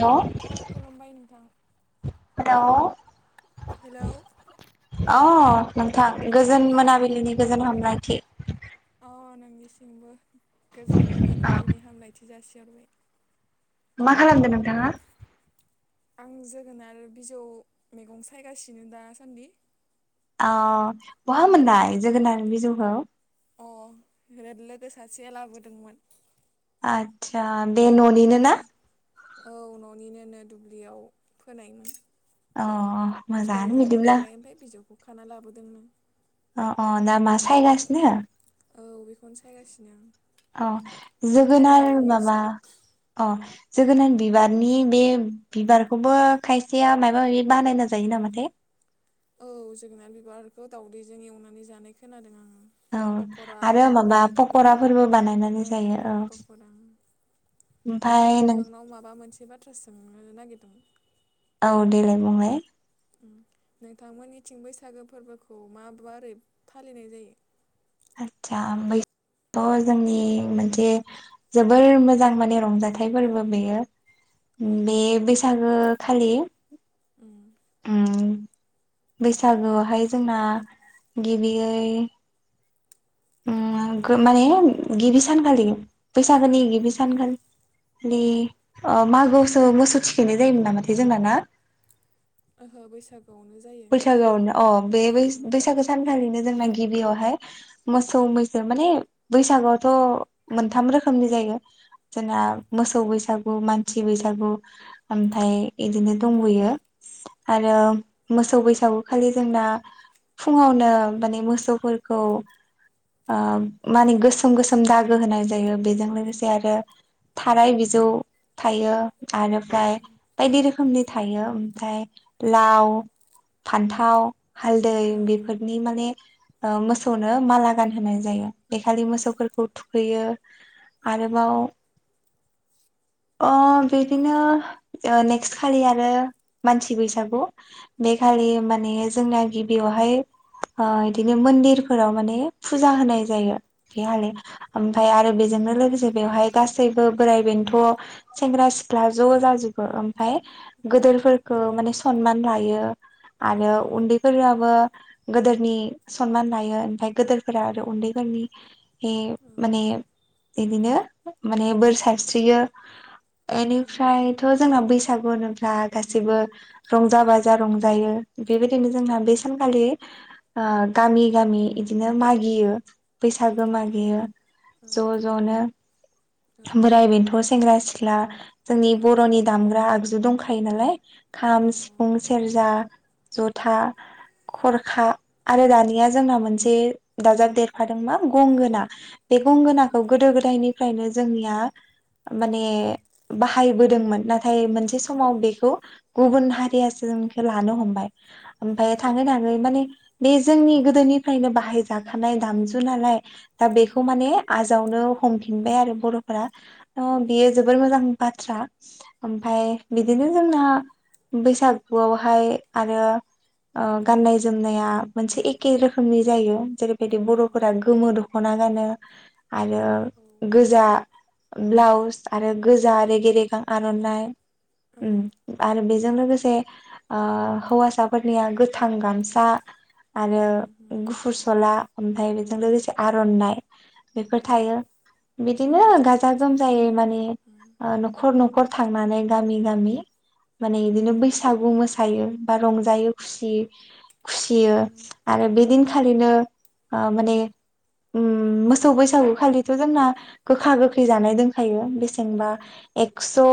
हेल' अ खुलुमबाय नोंथां। द' हेल'। अ नोंथां गोजोन नोंथां मोनाबिलिनि गोजोन हामलायथि नोंथांनिसिमबो गोजोन मोनाबिलिनि हामलायथि जासिहरबाय। मा खालामदो नोंथाङा? आं जोगोनार बिजौ मैगं सायगासिनो दासान्दि। अ बहा नोंथाङालाय मोननाय जोगोनार बिजौखौ? अ [inaudible] लोगो सासेया लाबोदोंमोन। आतसा बे न'निनो ना? औ न'निनोनो दुब्लियाव फोनायमोन। अ फिथाइ मोजाङानो जानो बिदिब्ला थाखाय ओमफ्राय बिजौखौ खाना लाबोदों नो अ अ ना मा साय गासिनो? औ बेखौनो सायगासिनो आं अ नोंथाङालाय मा जोगोनार माबा खालामगासिनो अ जोगोनार बिबारनि बे बिबारखौबो खायसेया माबा माबि बानायना जायो नामाथाय? औ जोगोनार बिबारखौ दावदैजों एवनानै जानाय खोनादों आङो। औ पक'रा आरो माबा बेफोरबायदिबो पक'राफोरबो बानायनानै जायो औ। दे आं ओमफाय नों नोंथांनाव माबा मोनसे बाथ्रा सोंनो नागिरदों? औ देलाय बुंलाय। नोंथांमोननिथिं बैसागो फोरबोखौ मा बारै फालिनाय जायो? आतसा [inaudible] जोंनि जे जोबोर मोजां माने रंजाथाइफोरबो बेयो। औ बे बैसागो खालि उम उम बैसागोआवहाय जोंना गिबियै उम माने गिबि सानखालि बैसागो औ नि औ गिबि सानखालि औ ओ मोसौ मोसौ थिखैनाय जायोमोन नामाथाय जोंना ना? ओहो बैसा बैसागोआवनो अ बे औ औ बैसागो सानखालिनो जोंना गिबियावहाय मोसौ मैसो माने बैसागुआवथ' मोनथाम रोखोमनि जायो। जोंना मोसौ बैसागु मानसि बैसागु ओमफ्राय बिदिनो दं। यो आरो। उम मोसौ बैसागु खालि जोंना फुङावनो माने मोसौफोरखौ। माने गोसोम गोसोम दागो होनाय जायो बेजों लोगोसे आरो थाराय उम बिजौ थायो आरोमफ्राय उम बायदि रोखोमनि थायो ओमफ्राय औ लाव फान्थाव हालदै औ बेफोरनि माने मोसौनो माला गानहोनाय जायो बे खालि औ मोसौफोरखौ थुखैयो उम आरोबाव उम अ बिदिनो नेक्स्ट खालि आरो मानसि बैसागु बेखालि उम माने जोंना गिबियावहाय बिदिनो मन्दिरफोराव माने फुजा होनाय जायो उम बेहाले उम ओमफ्राय आरो बेजोंनो लोगोसे ज बेवहाय गासैबो बोराइ बेन्थ' सेंग्रा सिख्ला ज' जाजोबो ओमफ्राय गोदोरफोरखौ औ माने सनमान लायो औ आरो उन्दैफोरो ओ गोदोरनि सनमान लायो आमफाय गोदोरफोरा उम आरो उन्दैफोरनि औ माने औ बिदिनो माने बोर सारस्रियो औ नोंथां बेनिफ्रायथ' जोंना बैसाग गु होनोब्ला गासिबो रंजा बाजा रंज जायो बेबायदिनो जोंहा बे सानखालि गामि गामि बिदिनो मागियो बैसााग औ गोमागियो औ ज' ज'नो औ बोराय बेन्थ' सेंग्रा सिख्ला सिख्ला जोंनि औ बर'नि दामग्रा आगजु दंखायो नालाय। खाम सिफुं औ सेरजा जथा खरखा आरो औ दानिया जोंना मोनसे दाजाब देरफादों मा गंगोना बे औ गंगोनाखौ गोदो गोदायनिफ्रायनो जोंनिया माने बाहायबोदोंमोन नाथाय मोनसे समाव बेखौ गुबुन हारियासो जोंखे लानो हमबाय ओमफ्राय थाङै थाङै नोंथां माने बे जोंनि गोदोनिफ्रायनो बाहायजाखानाय दामजु नालाय दा औ बेखौ माने आजावनो हमफिनबाय आरो बर'फोरा ओ औ बेयो औ जोबोर मोजां बाथ्रा ओमफ्राय उम बिदिनो ओ आ। बैसागुआवहाय आरो ओ गाननाय जोमनाया मोनसे एखे रोखोमनि जायो जेरै बेबायदि औ बर'फोरा गोमो दख'ना गानो आरो गोजा ब्लाउस आरो गोजा रेगे रेगां आर'नाइ औ उम आरो बेजों लोगोसे। से ओ हौवासाफोरनिया गोथां गामसा। आरो उम उम गुफुर सला ओमफ्राय बेजों लोगोसे आर'नाइ बेफोर औ थायो बिदिनो जोंनिजोंबो गाजा इथिंनो गोमजायै आरो माने उम ओ न'खर नख न'खर थांनानै गामि गामि माने बिदिनो उम बैसागु मोसायो बा रंजायो खुसि खुसियो उम आरो बेदि खालिनो ओ माने उम मोसौ बैसागु खालिथ' जोंना। गोखा गोखै जानाय दोनखायो बेसेंबा एक्स'।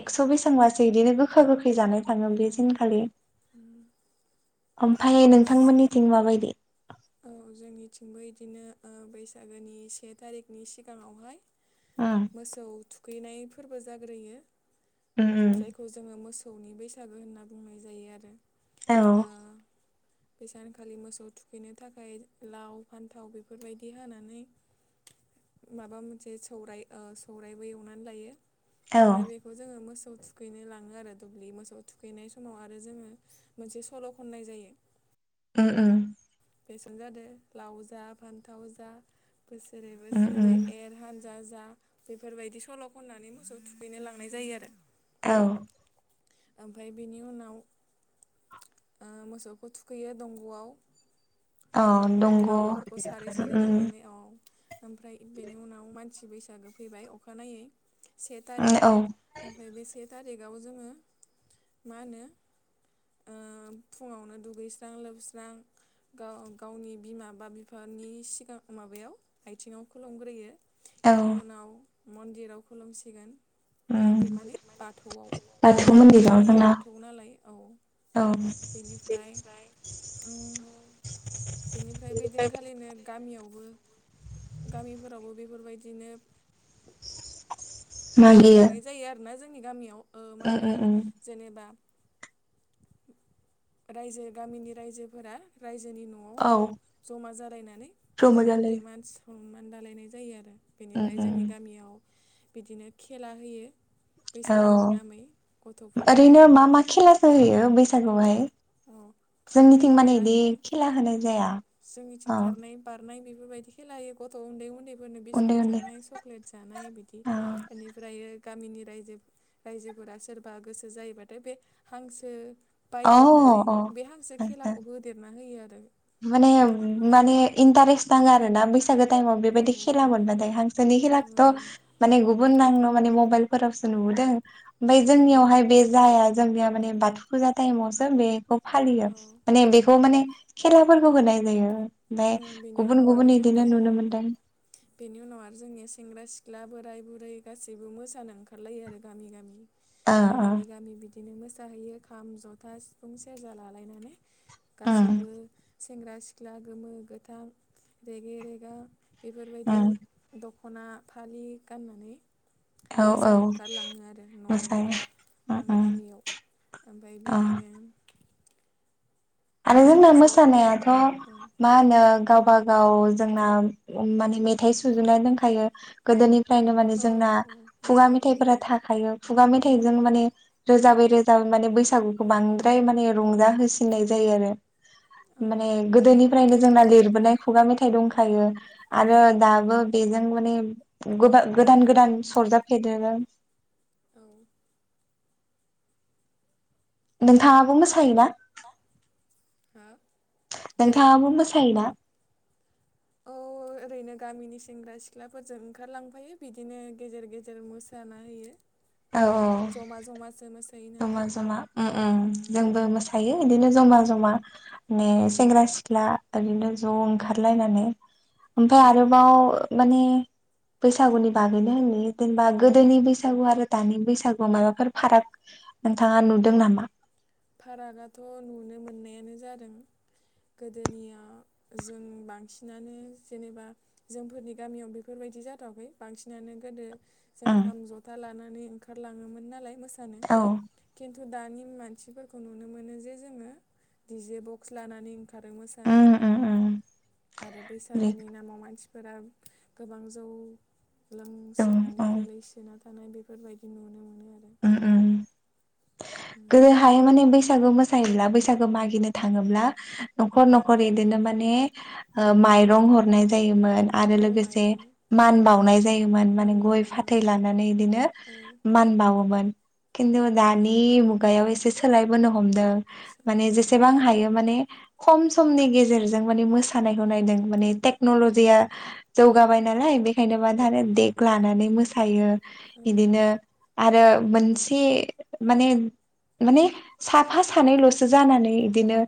एकस' बेसेबांबासो बिदिनो गोखा गोखै जानाय! थाङो अ बेसिनखालि उम ओमफ्राय नोंथांमोननिथिं माबायदि औ जोंनिथिंबो इदिनो बैसागोनि से थारिखनि सिगाङावहाय उम मोसौ थुखैनाय फोरबो जाग्रोयो उम उम जायखौ जोङो मोसौ सौनि बैसागो होनना बुंनाय जायो आरो। औ। ओ बे सानखालि मोसौ थुखैनो थाखाय लाव फान्थाव बेफोरबायदि हानानै माबा मोनसे सौराय ओ सौरायबो एवनानै लायो औ ओमफ्राय बेखौ जोङो मोसौ मोसौ थुखैनो लाङो आरो दुब्लि मोसौ थुखैनाय समाव आरो जोङो मोनसे सल' खननाय जायो। ओ ओम। बेसन जादों लाव जा फान्थाव जा बोसोरै उम बोसोरै उम एर हान जा जा बेफोरबायदि सल' खननानै मोसौ थुखैनो लांनाय जायो आरो। औ। ओमफफ्राय बेनि उनाव मोसौखौ थुखैयो दंग'आव औ बेफोरखौ दंग' उम लावफोरखौ सारै सारै उम लांनानै औ ओमफ्राय बेनि उनाव मानसि बैसागो फैबाय अखानायै से औ थारिख ओमफ्राय बे से थारिकाव जोङो मा होनो ओ फुङावनो दुगैस्रां लोबस्रां गाव गावनि बिमा बा बिफानि सिगां माबायाव आथिङाव खुलुमग्रोयो। औ बेनि उनाव मन्दिराव खुलुमसिगोन। उम मन्दिर माने बाथौआव बाथौ मन्दिराव जोंनिया जोंना बाथौ नालाय औ। औ बेनिफ्राय उम बिनिफ्राय बेदिनखालिनो गामियावबो गामिफोरावबो बेफोरबायदिनो फोर्बो मागियो खुंनाय जायो आरोना जोंनि गामियाव ओ मा उम होनो उम उम जेनबा रायजो गामिनि रायजोफोरा रायज जोंनि न'आव औ जमा जालायनानै जमा गेदेर उन्दै जालायो मान सनमान दालायनाय जायो आरो। उम बेनिफ्राय उम जोंनि गामियाव बिदिनो खेला होयो। औ बैसागोनि नामै गथ'फोरनो ओरैनो मा मा खेला होयो बैसागुआवहाय? औ खारनाय जोंनिथिं माने खेला इदि खेला होनाय हैयो औ जाया जोंनिथिं औ खारनाय बारनाय बे बेफोरबायदि खेललाायो गथ' उन्दै उन्दै फोरनो उन्दै बिस्कुट उन्दै जानाय सक्लेट जानाय बिदि औ बेनिफ्रायो गामिनि रायजो रायजोफोरा सोरबा गोसो जायोबाथाय बे हांसो औ देरनानै औ बे हांसो खेलाखौ होदेरना होयो आरो। माने माने इन्टारेस्ट नाङो आरोना बेसे बैसागो टाइमाव औ बेबायदि खेला मोनबाथाय हांसोनि औ खेलाखौथ' माने गुबुन नांगौ माने म मबाइलफोरावसो नुबोदों उमफ्राय जोंनियावहाय बे जाया। जोंनिया माने बाथौ फुजा टाइमावसो बेखौ औ फालियो माने औ बेखौ माने मुवाफोरखौ होनाय जायो। ओमफ्राय बेनि गुबुन उनाव आरो गुबुन इदिनो जोंनिया नुनो मोनदों बेनि उनाव आरो जोंनिया सेंग्रा सिख सिख्ला बोराइ बुरै गासैबो मोसानो ओंखारलायो आरो गामि गामि ओ ओमफ्राय ओ गामि गामि बिदि बिदिनो मोसाहैयो खाम जथा सिफुं सेरजा लालायनानै उम गासैबो सेंग्रा सिख्ला गोमो गोथां रेगे रेगा बेफोरबायदि उम दख दख'ना फालि गाननानै औ औ मोसानो ओंखारलाङो आरो न' मोसायो उम न' उम गामियाव ओमफ्राय अ बिदिनो आरो जोंना ज' ज' मोसानायाथ' ओं मा होनो गावबा गाव जोंना माने मेथाइ सुजुनाय दोनखायो गोदोनि फ्रायनो माने औ जोंना औ खुगा बैसागो मेथाइफोरा मेथाइ थाखायो खुगा औ मेथाइजों माने रोजाबै रोजाबै माने बैसागुखौ बांद्राय माने रंजा होसिननाय जायो आरो। औ माने गोदोनिफ्रायनो जोंना लिरबोनाय खुगा मेथाइ दंखायो। औ आरो दाबो बेजों माने उम गोदान गोदान सरजाब [unintelligible] औ। नोंथाङाबो मोसायो ना? ना हो नोंथाङाबो मोसायो ना? औ ओरैनो गामिनि सेंग्रा सिख्लाफोरजों ओंखारलांफायो बिदिनो गेजेर गेजेर मोसाना होयो। औ औ जमा जमासो मोसायो। जमा नालाय जमा उम उम जोंबो मोसायो बिदिनो जमा जमा ने उम सेंग्रा सिख्ला ओरैनो ज' ओंखारलायनानै उम ओमफाय आरोबाव माने बैसागुनि बागैनो होनो जेनेबा गोदोनि बैसागु आरो दानि बैसागुआव माबाफोर फाराग नोंथाङा नुदों नामा फारागाथ' नुनो मोननायानो जादों गोदोनियाव जों बांसिनानो जेनेबा जोंफोरनि गामियाव बेफोरबायदि बिदि जाथावाखै बांसिनानो गोदो जों उम खाम जथा लानानै ओंखारलाङोमोन नालाय मोसानो औ खिन्थु दानि मानसि मानसिफोरखौ नुनो मोनो जे जोङो डिजे बक्स लानानै खारो मोसानो उम उम उम आरो बे बैसागोनि नामाव मानसिफोर फोर गोबां जौ जों लोंसोनानै औ गोलैसोना थानाय बेफोर बेफोरबायदि नुनो मोनो आरो गोदो उम, हाय माने बैसागु मोजां ज बैसागु मनो थाङोब्ला नखर नखर इदिनो माने हरनाय जायोमोन आरो औ लोगोसे माइरं मान बाउनाय जायोन माने मान गय बावनायाव फाथै लानानै बिदिनो औ मान बावोमोन खिन्थु दानि मुगायाव एसे सोलायबोनो हमदों माने सोलायबोनाय जेसेबां हमबाय हायो माने खम समनि गेजेरजों माने मोसानायखौ नायदों माने टेक्नलजिया अ जौगाबाय नालाय बेखायनो मानो आरो देग लानानै मोसायो औ बिदिनो आरो मोनसे माने माने साफा सानैल'सो जानानै बिदिनो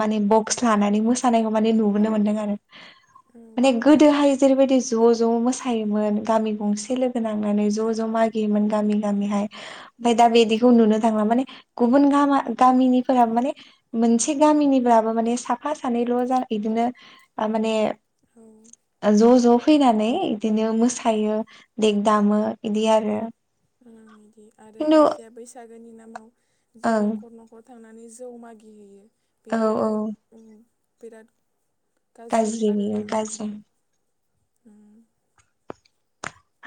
माने बक्स लानानै मोसानाय [unintelligible] नुबोनो मोनदों आरो औ माने गोदोहाय जेरैबायदि ज' ज' मोसायोमोन गामि गंसे लोगो नांनानै ज' ज' मागियोमोन गामि गामिहाय ओमफफ्राय दा बिदिखौ नुनो थांदला माने गुब गामा गामिनिफोराबो माने मोनसे गामिनिब्लाबो माने साफा सानै [unintelligible] बिदिनो माने औ ज ज फैनानै बिदिनो मोसायो देग दामो इदि आरो बिदि आरो खिन्थु खायसेया बैसागोनि नामाव जे ओं न'खर न'खर थांनानै जौ मागि हैैयो औ औ बेफोरो ओ बिराद गाज्रि बेयो आरोना गाज्रि उम उम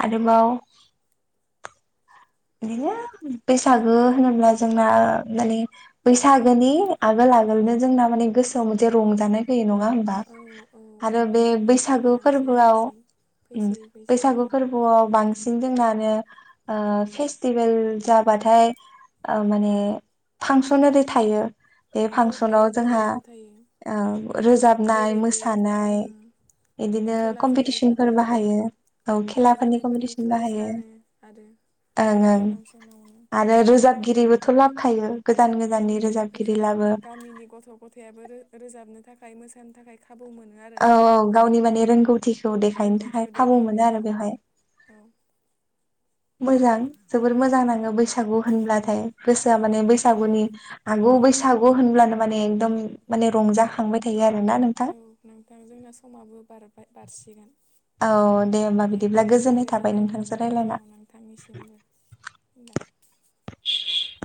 आरोबाव बिदिनो बैसागो होनोब्ला जोंना माने बैसागोनि आगोल आगोलनो जोंना माने गोसोआव मोनसे रंजानाय फैयो नङा होमबा औ औ औ आरो बे बैसागो बैसागु नांसै फोरबोआव नांसै ओ फैसै फैसै बैसागु उम। फोरबोआव बांसिन सिं जोंनानो फेस्टिभेल जाबाथाय माने फांसन ओरै थायो औ थायो जोंनियावबो थायो औ रोजाबनाय जेरै बे मोसानाय उम बिदिनो खेला कम्पिटिसनफोर जानायफोरनि उम बाहायो औ खेला खेलाफोरनि जानायफोरनि कम्पिटिसन प्राइज बाहायो रानो आरो ओं ओं बे फांसनावनो आरो रोजाबगिरिबोथ' लाबोखायो गोजान ओ गोजाननि रोजाबगिरि रोजाब लाबो गामिनि गथ' गथायाबो रोजाबनो थाखाय मोसानो थाखाय खाबु मोनो आरो औ गावनि माने रोंगौथिखौ देखायनो थाखाय रोंगौथिखौ खाबु देखायनो मोनो औ आरो बेवहाय औ मोजां जोबोर मोजां नाङो बैसागु होनब्लाथाय गोसोआ औ माने बैसागुनि आगु औ बैसागु होनब्लानो माने एकदम औ माने रंजाखांबाय थायो आरोना औ नोंथाङ नोंथां जोंना समाबो बारबाय बारसिगोन औ दे होमबा बिदिब्ला गोजोननाय थाबाय नोंथांस रायलायना [unintelligible] [unintelligible]